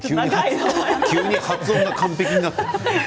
急に発音が完璧になった。